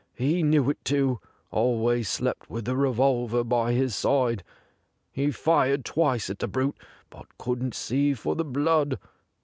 He knew it too ; always slept with the revolver by his side. He fired twice at the brute, but couldn't see for the blood.